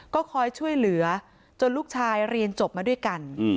ก็คอยช่วยเหลือจนลูกชายเรียนจบมาด้วยกัน